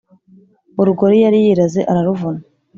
urugori yari yiraze araruvuna